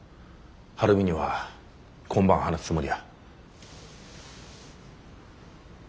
晴美には今晩話すつもりや。